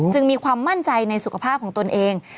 มีความมั่นใจในสุขภาพของตนเอง